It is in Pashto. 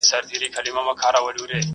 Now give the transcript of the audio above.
حیوانان یې پلټل په سمه غره کي٫